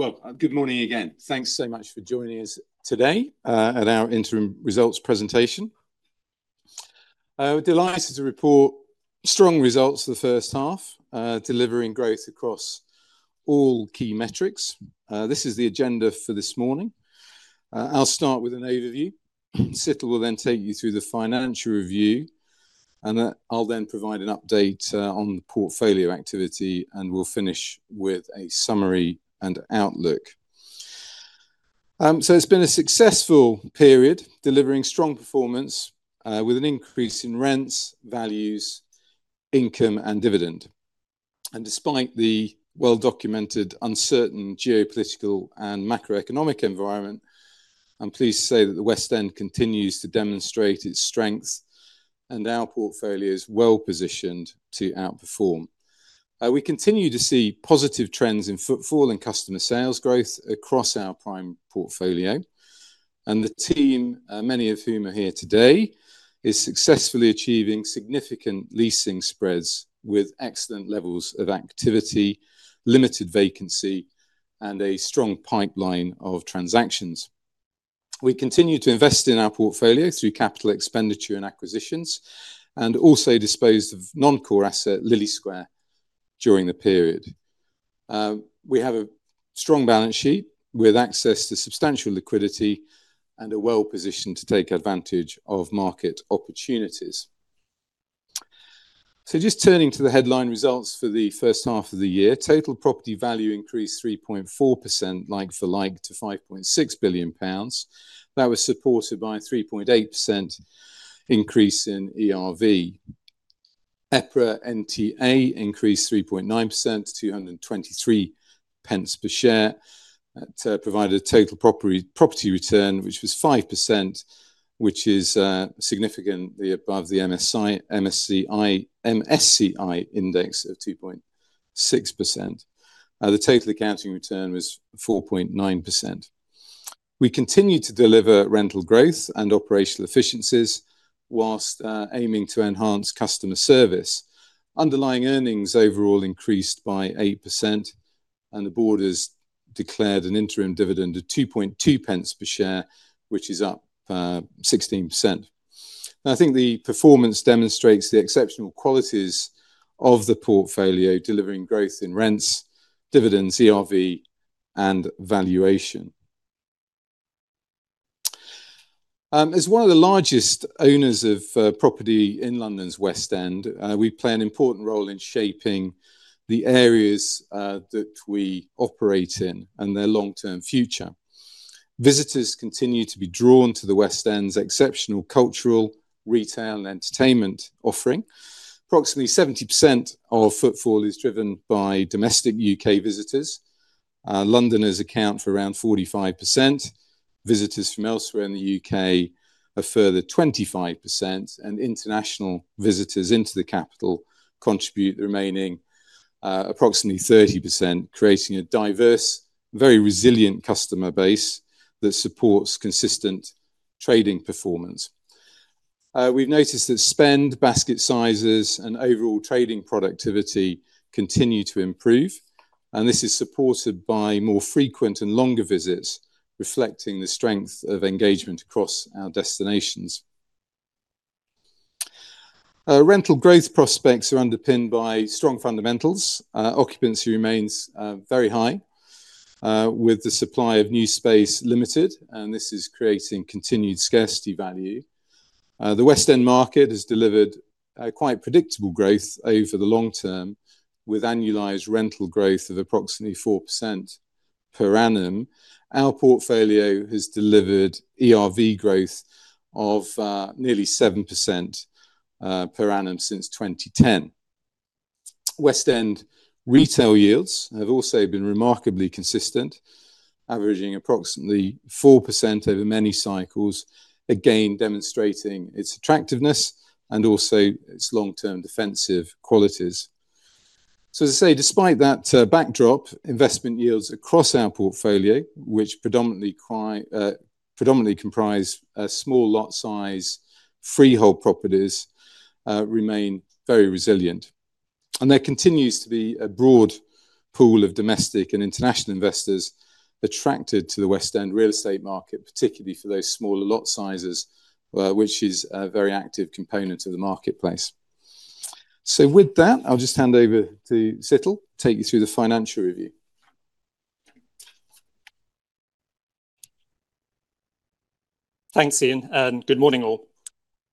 Well, good morning again. Thanks so much for joining us today at our interim results presentation. We're delighted to report strong results for the first half, delivering growth across all key metrics. This is the agenda for this morning. I'll start with an overview. Situl will then take you through the financial review. I'll then provide an update on the portfolio activity, and we'll finish with a summary and outlook. It's been a successful period, delivering strong performance, with an increase in rents, values, income, and dividend. Despite the well-documented uncertain geopolitical and macroeconomic environment, I'm pleased to say that the West End continues to demonstrate its strength and our portfolio is well-positioned to outperform. We continue to see positive trends in footfall and customer sales growth across our prime portfolio. The team, many of whom are here today, is successfully achieving significant leasing spreads with excellent levels of activity, limited vacancy, and a strong pipeline of transactions. We continue to invest in our portfolio through capital expenditure and acquisitions. Also disposed of non-core asset Lillie Square during the period. We have a strong balance sheet with access to substantial liquidity and are well-positioned to take advantage of market opportunities. Just turning to the headline results for the first half of the year. Total property value increased 3.4% like-for-like to 5.6 billion pounds. That was supported by a 3.8% increase in ERV. EPRA NTA increased 3.9% to 2.23 per share. That provided a total property return which was 5%, which is significantly above the MSCI index of 2.6%. The total accounting return was 4.9%. We continue to deliver rental growth and operational efficiencies whilst aiming to enhance customer service. Underlying earnings overall increased by 8%. The board has declared an interim dividend of 0.022 per share, which is up 16%. I think the performance demonstrates the exceptional qualities of the portfolio, delivering growth in rents, dividends, ERV, and valuation. As one of the largest owners of property in London's West End, we play an important role in shaping the areas that we operate in and their long-term future. Visitors continue to be drawn to the West End's exceptional cultural, retail, and entertainment offering. Approximately 70% of footfall is driven by domestic U.K. visitors. Londoners account for around 45%. Visitors from elsewhere in the U.K. a further 25%. International visitors into the capital contribute the remaining approximately 30%, creating a diverse, very resilient customer base that supports consistent trading performance. We've noticed that spend, basket sizes, and overall trading productivity continue to improve. This is supported by more frequent and longer visits, reflecting the strength of engagement across our destinations. Rental growth prospects are underpinned by strong fundamentals. Occupancy remains very high, with the supply of new space limited. This is creating continued scarcity value. The West End market has delivered quite predictable growth over the long term, with annualized rental growth of approximately 4% per annum. Our portfolio has delivered ERV growth of nearly 7% per annum since 2010. West End retail yields have also been remarkably consistent, averaging approximately 4% over many cycles, again demonstrating its attractiveness and also its long-term defensive qualities. As I say, despite that backdrop, investment yields across our portfolio, which predominantly comprise small lot size freehold properties, remain very resilient. There continues to be a broad pool of domestic and international investors attracted to the West End real estate market, particularly for those smaller lot sizes, which is a very active component of the marketplace. With that, I will just hand over to Situl to take you through the financial review. Thanks, Ian, and good morning all.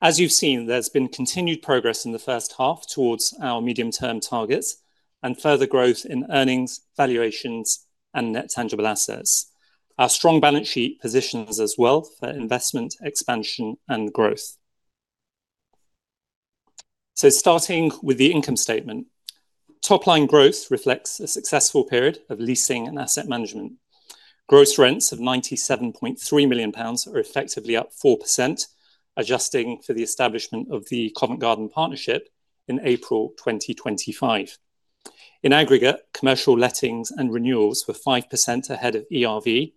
As you have seen, there has been continued progress in the first half towards our medium-term targets and further growth in earnings, valuations, and Net Tangible Assets. Our strong balance sheet positions us well for investment, expansion, and growth. Starting with the income statement. Top-line growth reflects a successful period of leasing and asset management. Gross rents of 97.3 million pounds are effectively up 4%, adjusting for the establishment of the Covent Garden partnership in April 2025. In aggregate, commercial lettings and renewals were 5% ahead of ERV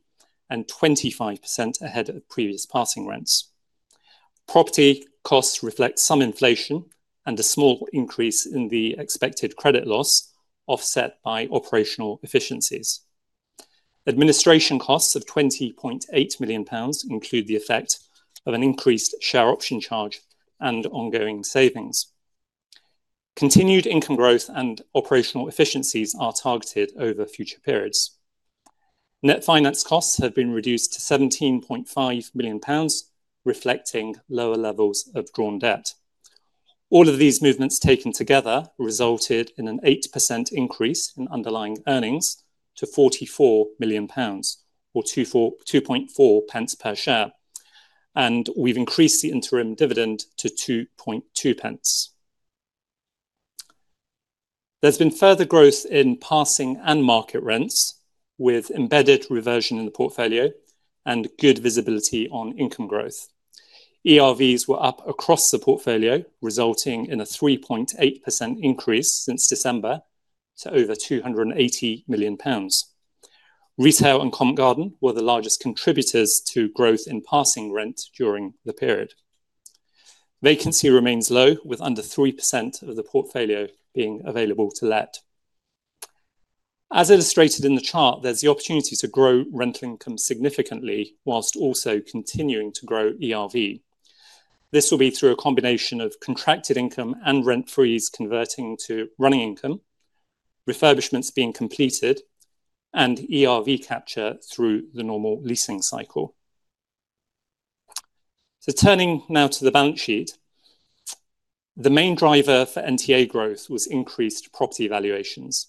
and 25% ahead of previous passing rents. Property costs reflect some inflation and a small increase in the Expected Credit Loss offset by operational efficiencies. Administration costs of 20.8 million pounds include the effect of an increased share option charge and ongoing savings. Continued income growth and operational efficiencies are targeted over future periods. Net finance costs have been reduced to 17.5 million pounds, reflecting lower levels of drawn debt. All of these movements taken together resulted in an 8% increase in underlying earnings to 44 million pounds, or 0.024 per share, and we have increased the interim dividend to 0.022. There has been further growth in passing and market rents, with embedded reversion in the portfolio and good visibility on income growth. ERVs were up across the portfolio, resulting in a 3.8% increase since December to over 280 million pounds. Retail and Covent Garden were the largest contributors to growth in passing rent during the period. Vacancy remains low, with under 3% of the portfolio being available to let. As illustrated in the chart, there is the opportunity to grow rental income significantly whilst also continuing to grow ERV. This will be through a combination of contracted income and rent freeze converting to running income, refurbishments being completed, and ERV capture through the normal leasing cycle. Turning now to the balance sheet. The main driver for NTA growth was increased property valuations.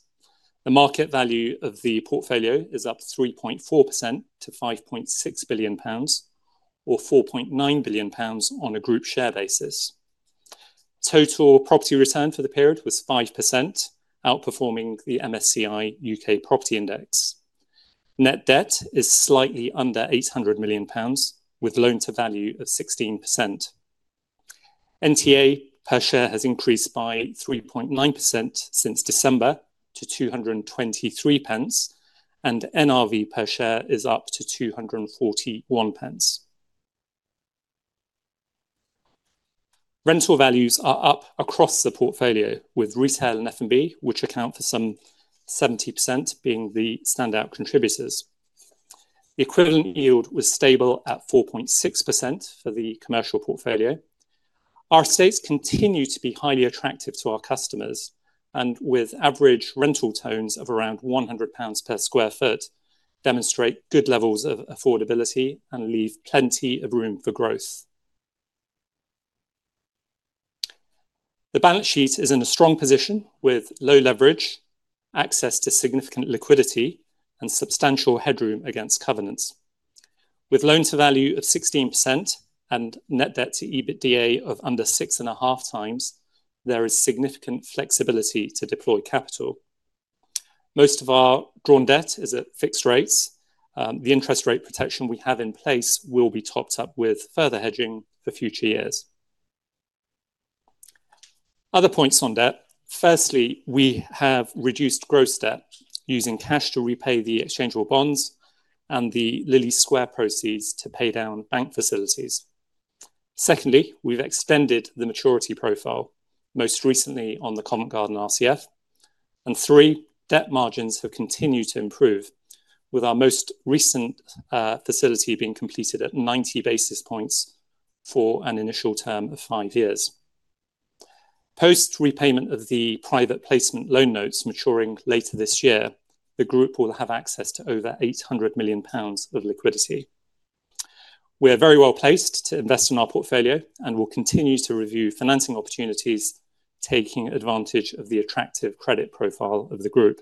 The market value of the portfolio is up 3.4% to 5.6 billion pounds, or 4.9 billion pounds on a group share basis. Total property return for the period was 5%, outperforming the MSCI UK Property Index. Net debt is slightly under 800 million pounds, with loan-to-value of 16%. NTA per share has increased by 3.9% since December to 2.23, and NRV per share is up to 2.41. Rental values are up across the portfolio with retail and F&B, which account for some 70% being the standout contributors. The equivalent yield was stable at 4.6% for the commercial portfolio. Our estates continue to be highly attractive to our customers, and with average rental tones of around 100 pounds per sq ft, demonstrate good levels of affordability and leave plenty of room for growth. The balance sheet is in a strong position with low leverage, access to significant liquidity, and substantial headroom against covenants. With loan to value of 16% and net debt to EBITDA of under 6.5x, there is significant flexibility to deploy capital. Most of our drawn debt is at fixed rates. The interest rate protection we have in place will be topped up with further hedging for future years. Other points on debt. Firstly, we have reduced gross debt using cash to repay the exchangeable bonds and the Lillie Square proceeds to pay down bank facilities. Secondly, we've extended the maturity profile, most recently on the Covent Garden RCF. Three, debt margins have continued to improve, with our most recent facility being completed at 90 basis points for an initial term of five years. Post repayment of the private placement loan notes maturing later this year, the group will have access to over 800 million pounds of liquidity. We are very well-placed to invest in our portfolio and will continue to review financing opportunities, taking advantage of the attractive credit profile of the group.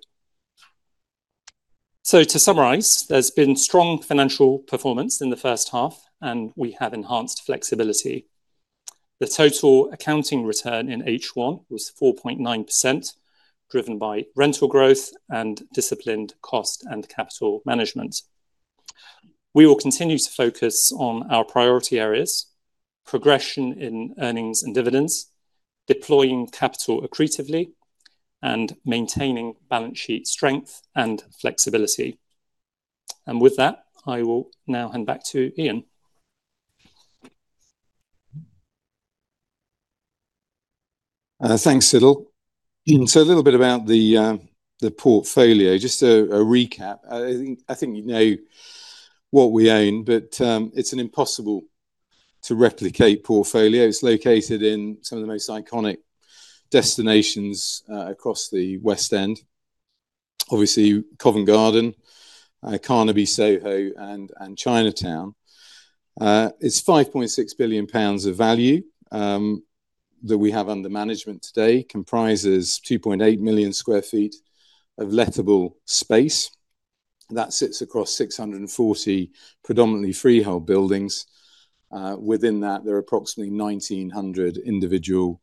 To summarize, there's been strong financial performance in the first half, and we have enhanced flexibility. The total accounting return in H1 was 4.9%, driven by rental growth and disciplined cost and capital management. We will continue to focus on our priority areas, progression in earnings and dividends, deploying capital accretively, and maintaining balance sheet strength and flexibility. With that, I will now hand back to Ian. Thanks, Situl. A little bit about the portfolio. Just a recap, I think you know what we own, but it's an impossible-to-replicate portfolio. It's located in some of the most iconic destinations across the West End. Obviously, Covent Garden, Carnaby, Soho, and Chinatown. It's 5.6 billion pounds of value that we have under management today, comprises 2.8 million sq ft of lettable space that sits across 640 predominantly freehold buildings. Within that, there are approximately 1,900 individual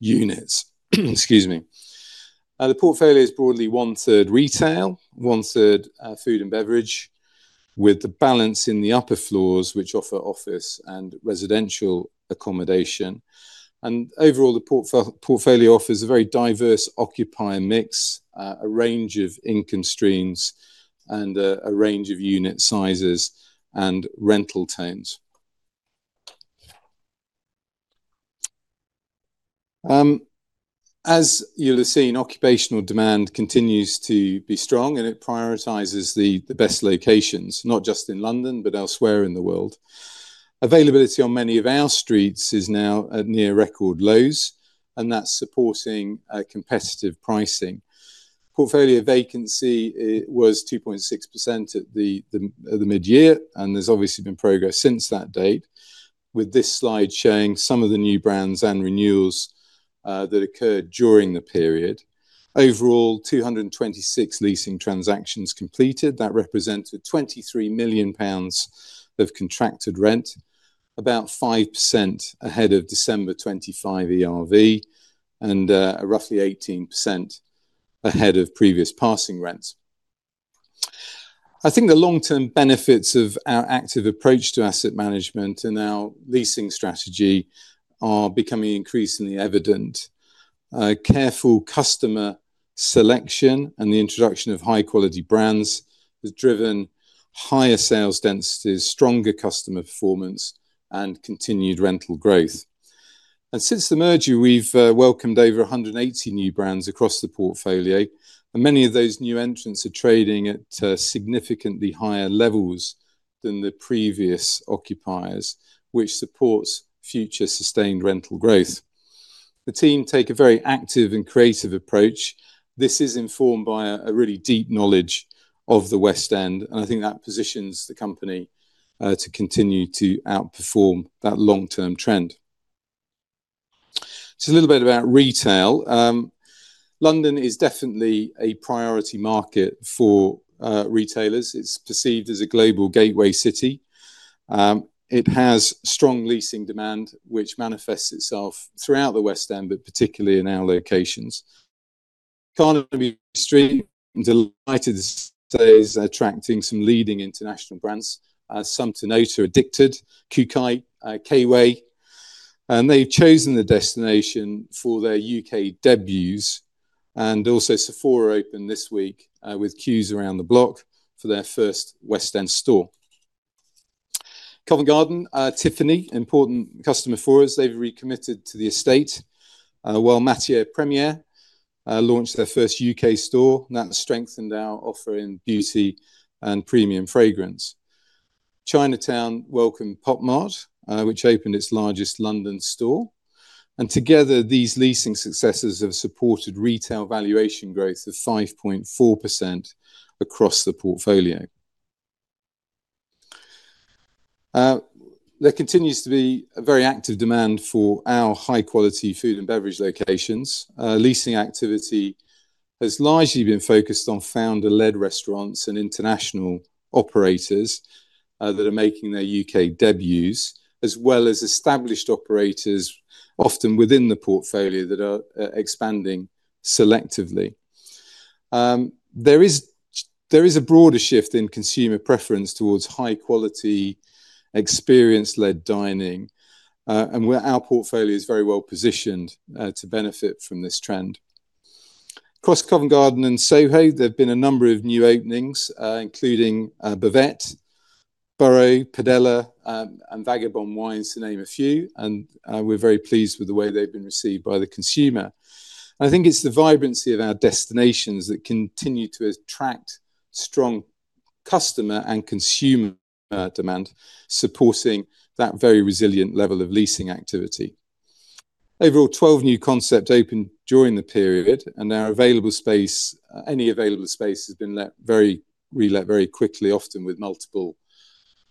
units. Excuse me. The portfolio is broadly one-third retail, one-third F&B, with the balance in the upper floors, which offer office and residential accommodation. Overall, the portfolio offers a very diverse occupier mix, a range of income streams, and a range of unit sizes and rental tones. As you'll have seen, occupational demand continues to be strong, and it prioritizes the best locations, not just in London, but elsewhere in the world. Availability on many of our streets is now at near record lows, and that's supporting competitive pricing. Portfolio vacancy was 2.6% at the mid-year, and there's obviously been progress since that date, with this slide showing some of the new brands and renewals that occurred during the period. Overall, 226 leasing transactions completed. That represented 23 million pounds of contracted rent, about 5% ahead of December 2025 ERV and roughly 18% ahead of previous passing rents. I think the long-term benefits of our active approach to asset management and our leasing strategy are becoming increasingly evident. Careful customer selection and the introduction of high-quality brands has driven higher sales densities, stronger customer performance, and continued rental growth. Since the merger, we've welcomed over 180 new brands across the portfolio, and many of those new entrants are trading at significantly higher levels than the previous occupiers, which supports future sustained rental growth. The team take a very active and creative approach. This is informed by a really deep knowledge of the West End, and I think that positions the company to continue to outperform that long-term trend. A little bit about retail. London is definitely a priority market for retailers. It's perceived as a global gateway city. It has strong leasing demand, which manifests itself throughout the West End, but particularly in our locations. Carnaby Street, I'm delighted to say, is attracting some leading international brands. Some to note are Edikted, KOOKAÏ, K-Way, and they've chosen the destination for their U.K. debuts. Sephora opened this week with queues around the block for their first West End store. Covent Garden, Tiffany, important customer for us, they've recommitted to the estate. Matière Première launched their first U.K. store, and that strengthened our offer in beauty and premium fragrance. Chinatown welcomed POP MART, which opened its largest London store. Together, these leasing successes have supported retail valuation growth of 5.4% across the portfolio. There continues to be a very active demand for our high-quality food and beverage locations. Leasing activity has largely been focused on founder-led restaurants and international operators that are making their U.K. debuts, as well as established operators, often within the portfolio that are expanding selectively. There is a broader shift in consumer preference towards high-quality, experience-led dining, and our portfolio is very well positioned to benefit from this trend. Across Covent Garden and Soho, there have been a number of new openings, including Buvette, BAO Borough, Padella, and Vagabond Wines to name a few, and we're very pleased with the way they've been received by the consumer. I think it's the vibrancy of our destinations that continue to attract strong customer and consumer demand, supporting that very resilient level of leasing activity. Overall, 12 new concepts opened during the period, and any available space has been relet very quickly, often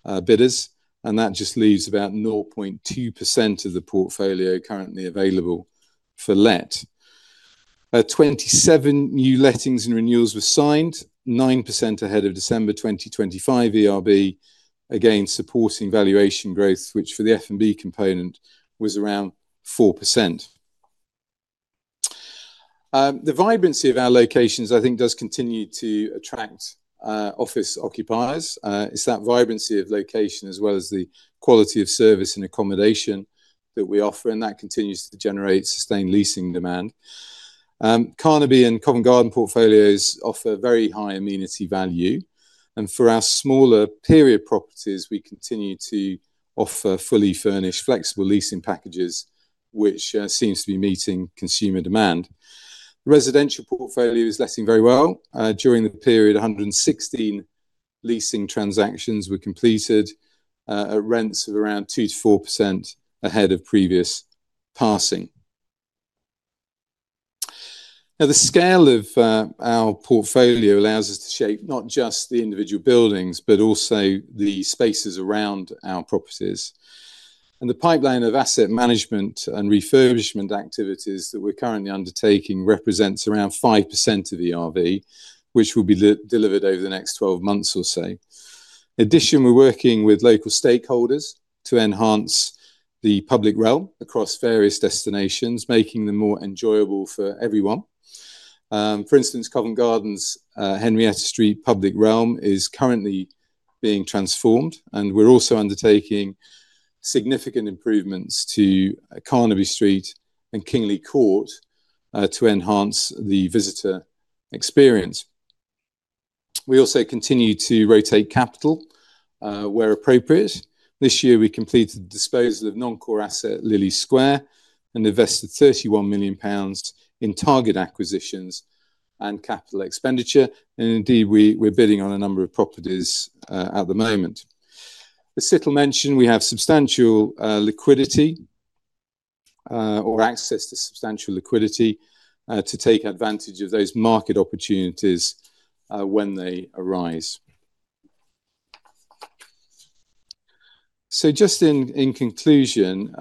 with multiple bidders, and that just leaves about 0.2% of the portfolio currently available for let. 27 new lettings and renewals were signed, 9% ahead of December 2025 ERV, again, supporting valuation growth, which for the F&B component was around 4%. The vibrancy of our locations, I think does continue to attract office occupiers. It's that vibrancy of location as well as the quality of service and accommodation that we offer, and that continues to generate sustained leasing demand. Carnaby and Covent Garden portfolios offer very high amenity value, and for our smaller period properties, we continue to offer fully furnished, flexible leasing packages, which seems to be meeting consumer demand. Residential portfolio is letting very well. During the period, 116 leasing transactions were completed at rents of around 2%-4% ahead of previous passing. The scale of our portfolio allows us to shape not just the individual buildings, but also the spaces around our properties. The pipeline of asset management and refurbishment activities that we're currently undertaking represents around 5% of ERV, which will be delivered over the next 12 months or so. In addition, we're working with local stakeholders to enhance the public realm across various destinations, making them more enjoyable for everyone. For instance, Covent Garden's Henrietta Street public realm is currently being transformed, and we're also undertaking significant improvements to Carnaby Street and Kingly Court, to enhance the visitor experience We also continue to rotate capital where appropriate. This year, we completed the disposal of non-core asset Lillie Square and invested 31 million pounds in target acquisitions and capital expenditure. Indeed, we're bidding on a number of properties at the moment. As Situl mentioned, we have substantial liquidity or access to substantial liquidity to take advantage of those market opportunities when they arise. Just in conclusion,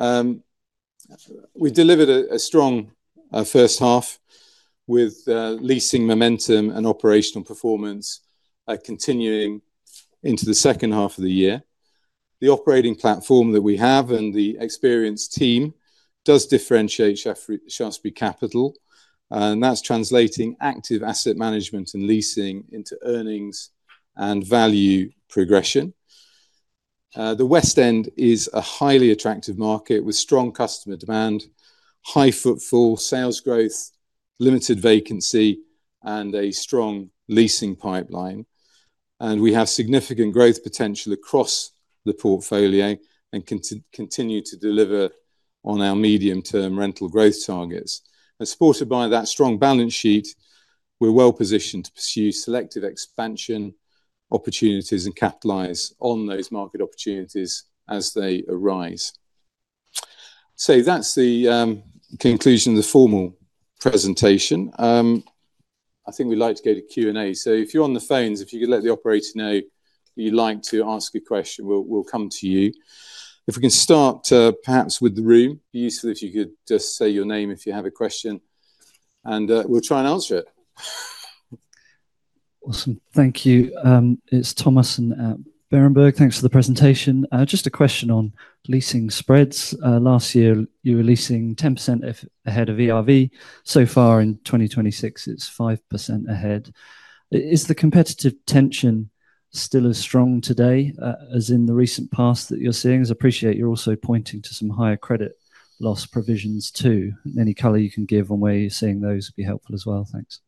we delivered a strong first half with leasing momentum and operational performance continuing into the second half of the year. The operating platform that we have and the experienced team does differentiate Shaftesbury Capital, and that's translating active asset management and leasing into earnings and value progression. The West End is a highly attractive market with strong customer demand, high footfall, sales growth, limited vacancy and a strong leasing pipeline. We have significant growth potential across the portfolio and continue to deliver on our medium-term rental growth targets. Supported by that strong balance sheet, we're well positioned to pursue selective expansion opportunities and capitalize on those market opportunities as they arise. That's the conclusion of the formal presentation. I think we'd like to go to Q&A. If you're on the phones, if you could let the operator know you'd like to ask a question, we'll come to you. If we can start perhaps with the room. It'd be useful if you could just say your name if you have a question, and we'll try and answer it. Awesome. Thank you. It's Thomas at Berenberg. Thanks for the presentation. Just a question on leasing spreads. Last year, you were leasing 10% ahead of ERV. So far in 2026, it's 5% ahead. Is the competitive tension still as strong today as in the recent past that you're seeing? Because I appreciate you're also pointing to some higher credit loss provisions, too. Any color you can give on where you're seeing those would be helpful as well. Thanks.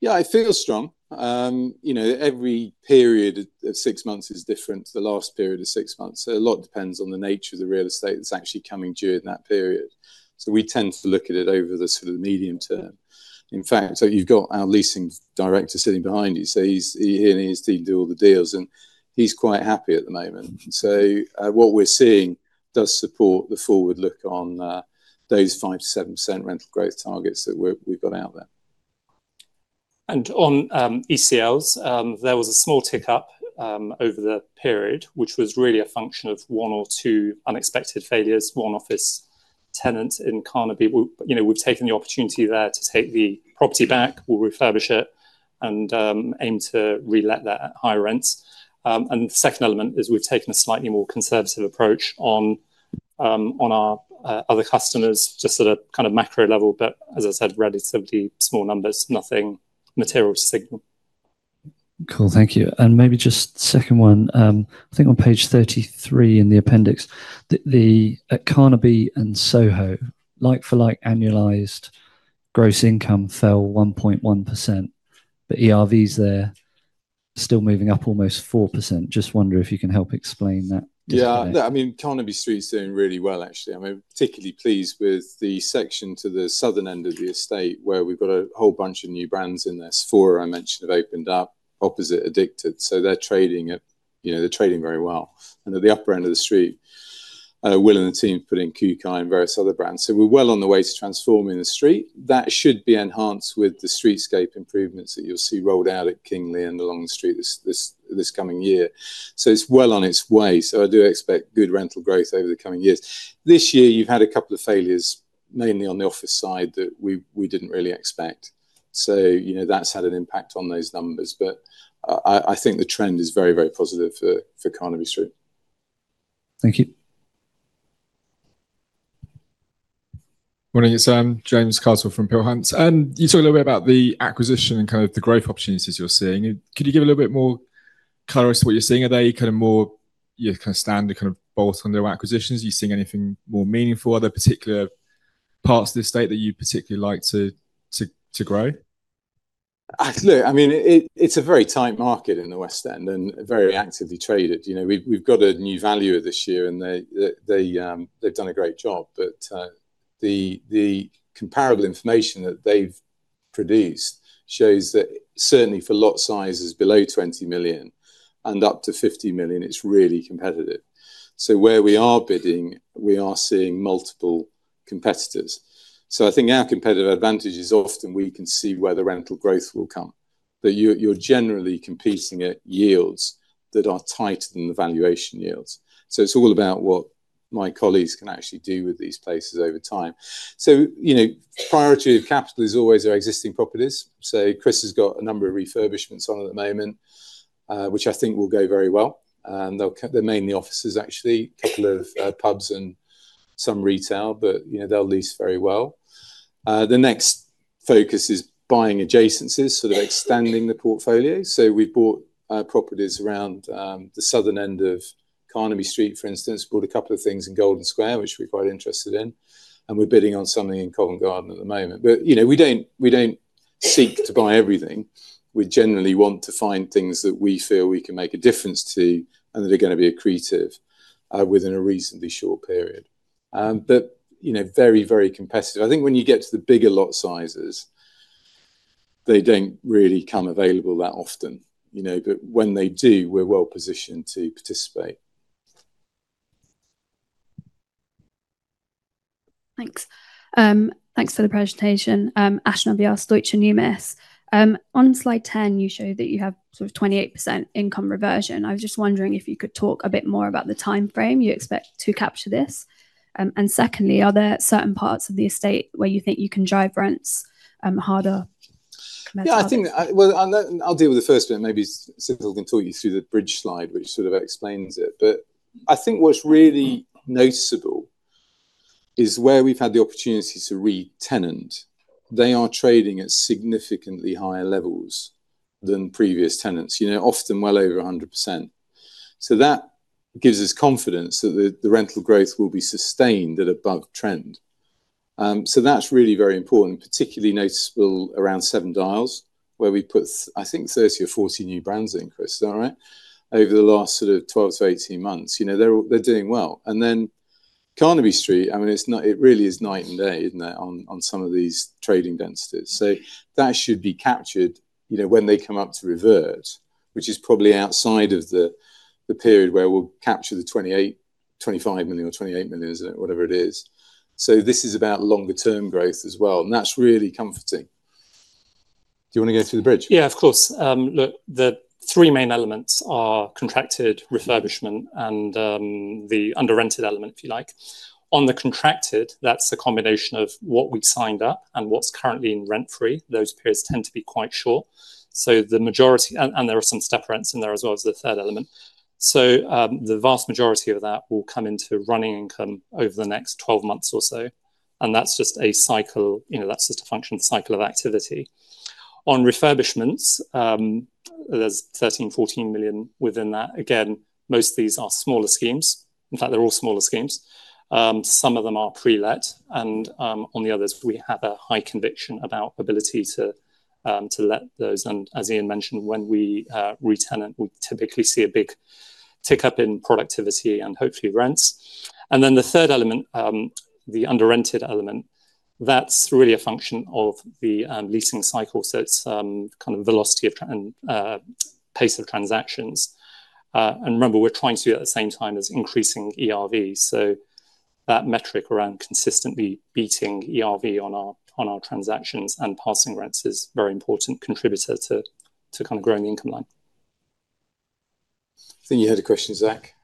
It feels strong. Every period of six months is different to the last period of six months. A lot depends on the nature of the real estate that's actually coming due in that period. You've got our leasing director sitting behind you. He and his team do all the deals, and he's quite happy at the moment. What we're seeing does support the forward look on those 5%-7% rental growth targets that we've got out there. On ECLs, there was a small tick up over the period, which was really a function of one or two unexpected failures. One office tenant in Carnaby. We've taken the opportunity there to take the property back, we'll refurbish it and aim to relet that at higher rents. The second element is we've taken a slightly more conservative approach on our other customers, just at a macro level. As I said, relatively small numbers, nothing material to signal. Cool. Thank you. Maybe just second one, I think on page 33 in the appendix, at Carnaby and Soho, like-for-like annualized gross income fell 1.1%, but ERVs there still moving up almost 4%. I just wonder if you can help explain that divide. Carnaby Street's doing really well, actually. I'm particularly pleased with the section to the southern end of the estate where we've got a whole bunch of new brands in there. Sephora, I mentioned, have opened up opposite Edikted. They're trading very well. At the upper end of the street, Will and the team put in KIBOU and various other brands. We're well on the way to transforming the street. That should be enhanced with the streetscape improvements that you'll see rolled out at Kingly and along the street this coming year. It's well on its way. I do expect good rental growth over the coming years. This year, you've had a couple of failures, mainly on the office side that we didn't really expect. That's had an impact on those numbers. I think the trend is very, very positive for Carnaby Street. Thank you. Morning. It's James Carswell from Peel Hunt. You talk a little bit about the acquisition and kind of the growth opportunities you're seeing. Could you give a little bit more color as to what you're seeing? Are they your kind of standard kind of bolt-on new acquisitions? Are you seeing anything more meaningful? Are there particular parts of the estate that you'd particularly like to grow? Look, it's a very tight market in the West End and very actively traded. We've got a new valuer this year, and they've done a great job. The comparable information that they've produced shows that certainly for lot sizes below 20 million and up to 50 million, it's really competitive. Where we are bidding, we are seeing multiple competitors. I think our competitive advantage is often we can see where the rental growth will come, but you're generally competing at yields that are tighter than the valuation yields. It's all about what my colleagues can actually do with these places over time. Priority of capital is always our existing properties. Chris has got a number of refurbishments on at the moment, which I think will go very well. They're mainly offices, actually, couple of pubs and some retail, but they'll lease very well. The next focus is buying a for outstanding the portfolio so we've bought properties around the southern end of Carnaby Street, for instance. Bought a couple of things in Golden Square, which we're quite interested in, and we're bidding on something in Covent Garden at the moment. We don't seek to buy everything. We generally want to find things that we feel we can make a difference to, and that are going to be accretive within a reasonably short period. Very competitive. I think when you get to the bigger lot sizes, they don't really become available that often. When they do, we're well positioned to participate. Thanks. Thanks for the presentation. Ashnaa Vyas, Deutsche Numis. On slide 10, you show that you have 28% income reversion. I was just wondering if you could talk a bit more about the timeframe you expect to capture this. Secondly, are there certain parts of the estate where you think you can drive rents harder? I'll deal with the first bit, and maybe Situl can talk you through the bridge slide, which sort of explains it. I think what's really noticeable is where we've had the opportunity to re-tenant. They are trading at significantly higher levels than previous tenants. Often well over 100%. That gives us confidence that the rental growth will be sustained at above trend. That's really very important, particularly noticeable around Seven Dials, where we put, I think, 30 or 40 new brands in, Chris, is that right? Over the last 12-18 months. They're doing well. Carnaby Street, it really is night and day, isn't it, on some of these trading densities. That should be captured when they come up to revert, which is probably outside of the period where we'll capture the 25 million or 28 million, is it? Whatever it is. This is about longer term growth as well, and that's really comforting. Do you want to go through the bridge? Yeah, of course. Look, the three main elements are contracted refurbishment and the under-rented element, if you like. On the contracted, that's a combination of what we've signed up and what's currently in rent-free. Those periods tend to be quite short. There are some step rents in there as well as the third element. The vast majority of that will come into running income over the next 12 months or so, and that's just a function cycle of activity. On refurbishments, there's 13 million, 14 million within that. Again, most of these are smaller schemes. In fact, they're all smaller schemes. Some of them are pre-let, and on the others, we have a high conviction about ability to let those, and as Ian mentioned, when we re-tenant, we typically see a big tick-up in productivity and hopefully rents. The third element, the under-rented element, that's really a function of the leasing cycle, so it's kind of velocity and pace of transactions. Remember, we're trying to do it at the same time as increasing ERV, so that metric around consistently beating ERV on our transactions and passing rents is very important contributor to growing the income line. I think you had a question, Zach.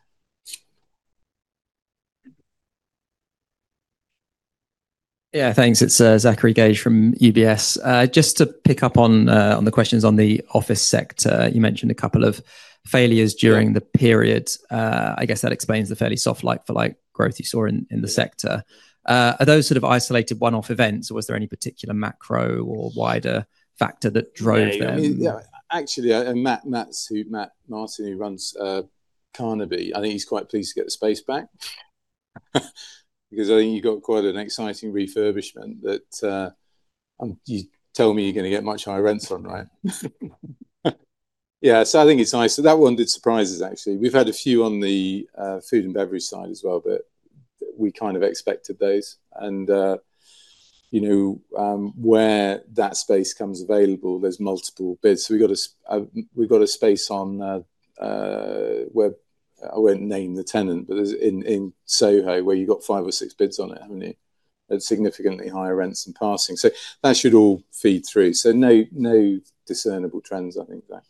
Yeah, thanks. It's Zachary Gauge from UBS. Just to pick up on the questions on the office sector. You mentioned a couple of failures during the period. I guess that explains the fairly soft like-for-like growth you saw in the sector. Are those sort of isolated one-off events, or was there any particular macro or wider factor that drove them? Yeah. Actually, Matt Saperia, who runs Carnaby, I think he's quite pleased to get the space back because I think he got quite an exciting refurbishment that you told me you're going to get much higher rents on, right? Yeah. I think it's nice. That one did surprise us, actually. We've had a few on the food and beverage side as well, but we kind of expected those and where that space comes available, there's multiple bids. We've got a space on, I won't name the tenant, but in Soho, where you've got five or six bids on it, haven't you, at significantly higher rents than passing. That should all feed through. No discernible trends, I think, Zach.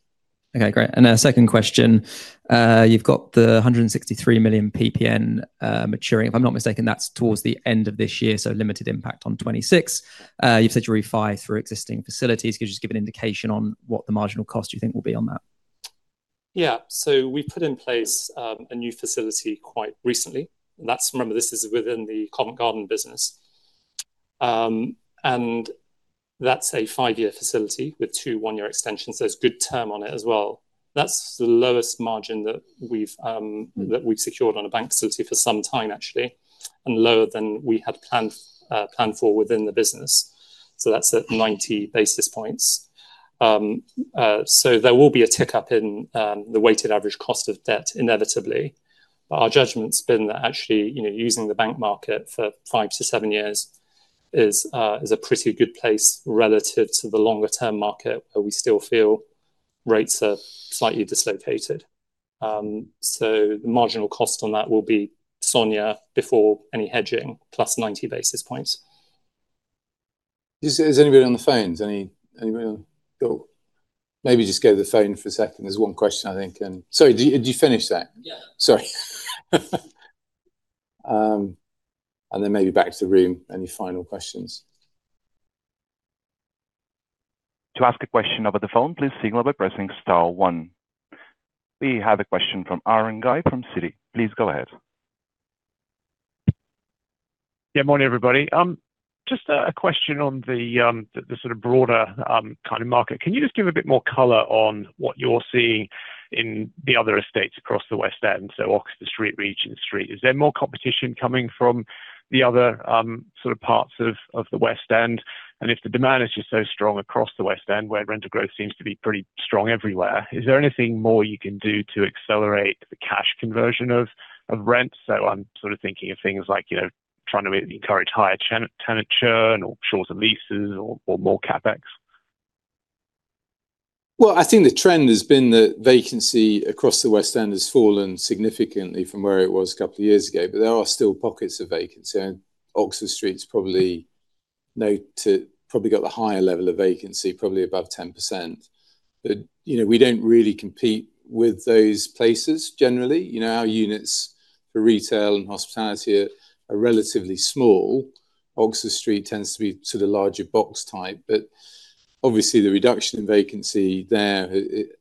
Okay, great. A second question. You've got the 163 million PPN maturing. If I'm not mistaken, that's towards the end of this year, so limited impact on 2026. You've said you'll refi through existing facilities. Can you just give an indication on what the marginal cost you think will be on that? Yeah. We put in place a new facility quite recently. Remember, this is within the Covent Garden business. That's a five-year facility with two one-year extensions, so there's a good term on it as well. That's the lowest margin that we've secured on a bank facility for some time actually, and lower than we had planned for within the business. That's at 90 basis points. There will be a tick-up in the weighted average cost of debt inevitably. Our judgment's been that actually using the bank market for five to seven years is a pretty good place relative to the longer-term market where we still feel rates are slightly dislocated. The marginal cost on that will be SONIA before any hedging +90 basis points. Is anybody on the phones? Maybe just go to the phone for a second. There's one question, I think. Sorry, did you finish that? Yeah. Sorry. Maybe back to the room. Any final questions? To ask a question over the phone, please signal by pressing star one. We have a question from Aaron Guy from Citi. Please go ahead. Good morning, everybody. Just a question on the broader kind of market. Can you just give a bit more color on what you're seeing in the other estates across the West End, so Oxford Street, Regent Street? Is there more competition coming from the other parts of the West End? If the demand is just so strong across the West End, where rental growth seems to be pretty strong everywhere, is there anything more you can do to accelerate the cash conversion of rents? I'm thinking of things like, trying to encourage higher tenant churn or shorter leases or more CapEx. Well, I think the trend has been that vacancy across the West End has fallen significantly from where it was a couple of years ago, but there are still pockets of vacancy. Oxford Street's probably got the higher level of vacancy, probably above 10%. We don't really compete with those places generally. Our units for retail and hospitality are relatively small. Oxford Street tends to be sort of larger box type, but obviously the reduction in vacancy there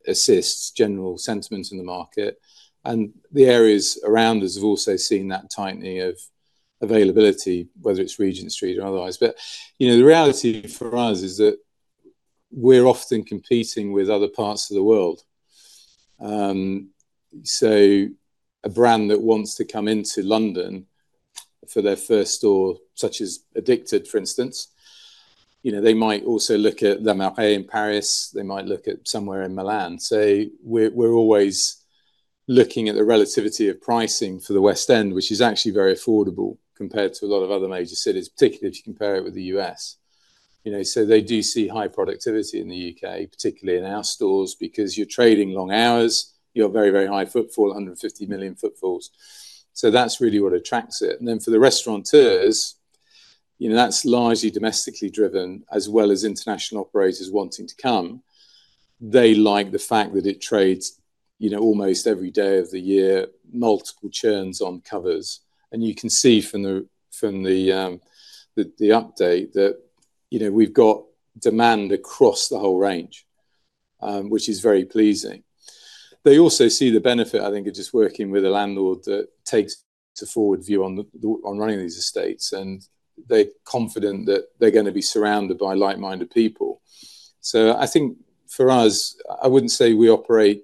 assists general sentiment in the market. The areas around us have also seen that tightening of availability, whether it's Regent Street or otherwise. The reality for us is that we're often competing with other parts of the world. A brand that wants to come into London for their first store, such as Edikted, for instance, they might also look at Le Marais in Paris, they might look at somewhere in Milan. We're always looking at the relativity of pricing for the West End, which is actually very affordable compared to a lot of other major cities, particularly if you compare it with the U.S. They do see high productivity in the U.K., particularly in our stores, because you're trading long hours, you've very high footfall, 150 million footfalls. That's really what attracts it. Then for the restaurateurs, that's largely domestically driven as well as international operators wanting to come. They like the fact that it trades almost every day of the year, multiple churns on covers. You can see from the update that we've got demand across the whole range, which is very pleasing. They also see the benefit, I think, of just working with a landlord that takes a forward view on running these estates, and they're confident that they're going to be surrounded by like-minded people. I think for us, I wouldn't say we operate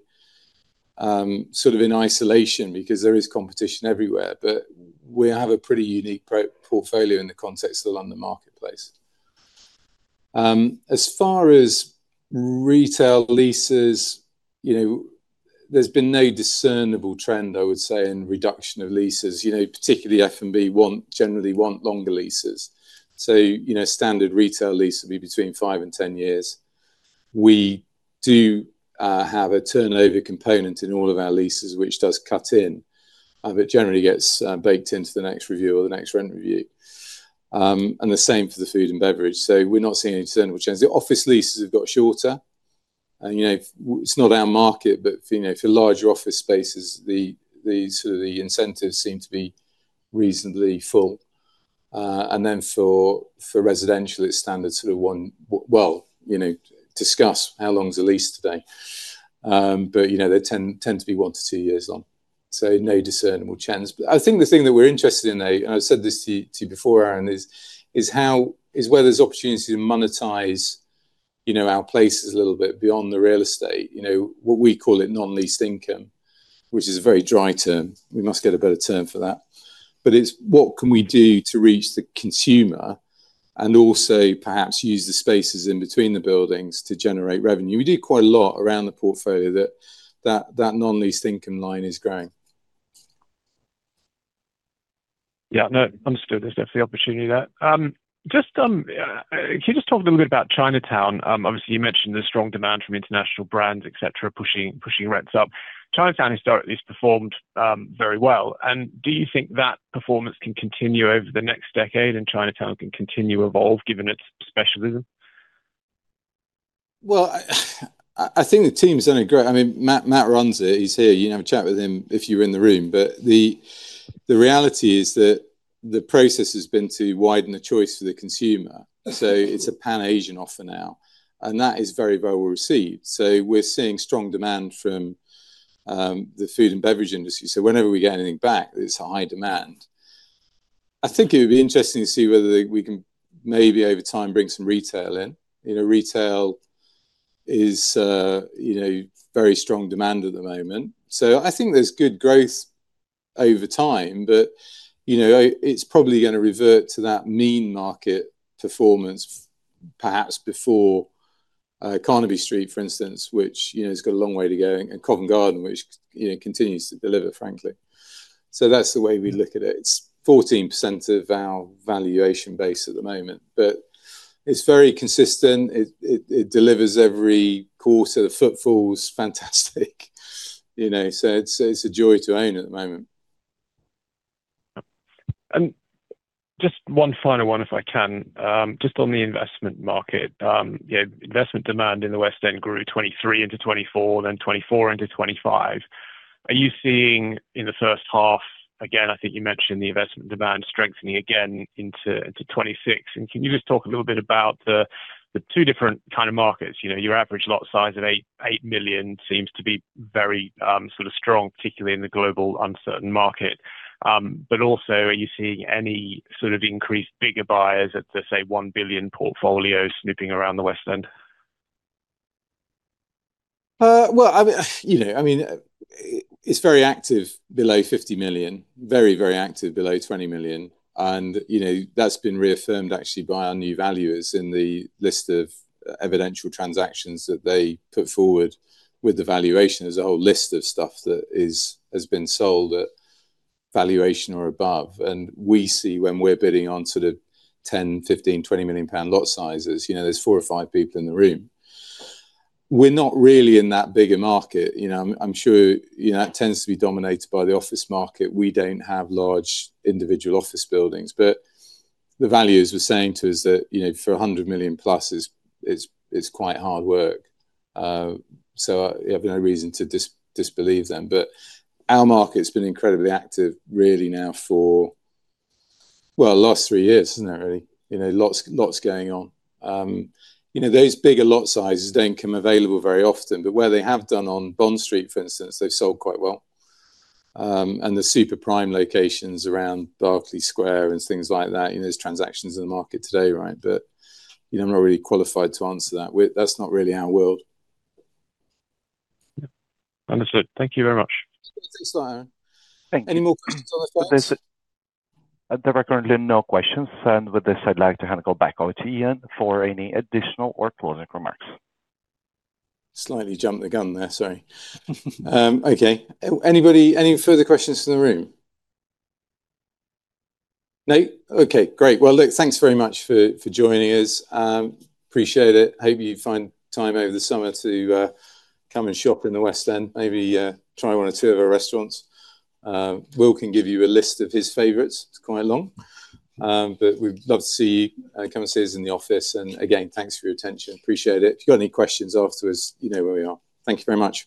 sort of in isolation because there is competition everywhere, but we have a pretty unique portfolio in the context of the London marketplace. As far as retail leases, there's been no discernible trend, I would say, in reduction of leases. Particularly F&B generally want longer leases. Standard retail lease will be between five and 10 years. We do have a turnover component in all of our leases, which does cut in. It generally gets baked into the next review or the next rent review. The same for the food and beverage. We're not seeing any discernible trends. The office leases have got shorter, and it's not our market, but for larger office spaces, the incentives seem to be reasonably full. Then for residential, it's standard sort of. Well, discuss how long is a lease today? But they tend to be one to two years long, so no discernible trends. But I think the thing that we're interested in, and I said this to you before, Aaron, is where there's opportunity to monetize our places a little bit beyond the real estate. What we call it non-leased income, which is a very dry term. We must get a better term for that. But it's what can we do to reach the consumer and also perhaps use the spaces in between the buildings to generate revenue. We do quite a lot around the portfolio that non-leased income line is growing. Yeah. No, understood. There's definitely opportunity there. Can you just talk a little bit about Chinatown? Obviously, you mentioned the strong demand from international brands, et cetera, pushing rates up. Chinatown historically has performed very well, and do you think that performance can continue over the next decade and Chinatown can continue to evolve given its specialism? Well, I think the team's done. I mean, Matt runs it. He's here. You can have a chat with him if you were in the room. The reality is that the process has been to widen the choice for the consumer. It's a Pan-Asian offer now, and that is very well received. We're seeing strong demand from the food and beverage industry. Whenever we get anything back, it's high demand. I think it would be interesting to see whether we can maybe over time bring some retail in. Retail is very strong demand at the moment. I think there's good growth over time, but it's probably going to revert to that mean market performance perhaps before Carnaby Street, for instance, which has got a long way to go, and Covent Garden, which continues to deliver, frankly. That's the way we look at it. It's 14% of our valuation base at the moment, but it's very consistent. It delivers every quarter. The footfall's fantastic. It's a joy to own at the moment. Just one final one, if I can. Just on the investment market. Investment demand in the West End grew 2023 into 2024, then 2024 into 2025. Are you seeing in the first half, again, I think you mentioned the investment demand strengthening again into 2026. Can you just talk a little bit about the two different kind of markets? Your average lot size of 8 million seems to be very strong, particularly in the global uncertain market. Also, are you seeing any sort of increased bigger buyers at the, say, 1 billion portfolios snooping around the West End? It's very active below 50 million, very active below 20 million. That's been reaffirmed actually by our new valuers in the list of evidential transactions that they put forward with the valuation. There's a whole list of stuff that has been sold at valuation or above. We see when we're bidding on sort of 10 million, 15 million, 20 million pound lot sizes, there's four or five people in the room. We're not really in that bigger market. I'm sure that tends to be dominated by the office market. We don't have large individual office buildings, the valuers were saying to us that, for 100 million+, it's quite hard work. I have no reason to disbelieve them. Our market's been incredibly active really now for, well, the last three years, hasn't it, really? Lots going on. Those bigger lot sizes don't come available very often, where they have done on Bond Street, for instance, they've sold quite well. The super prime locations around Berkeley Square and things like that, there's transactions in the market today, right? I'm not really qualified to answer that. That's not really our world. Yep. Understood. Thank you very much. Thanks for that, Aaron. Thank you. Any more questions on the phone? There's currently no questions. With this, I'd like to hand it back over to Ian for any additional or closing remarks. Slightly jumped the gun there, sorry. Okay. Any further questions from the room? No? Okay, great. Well, look, thanks very much for joining us. Appreciate it. Hope you find time over the summer to come and shop in the West End. Maybe try one or two of our restaurants. Will can give you a list of his favorites. It's quite long. We'd love to see you, come and see us in the office. Again, thanks for your attention. Appreciate it. If you've got any questions afterwards, you know where we are. Thank you very much.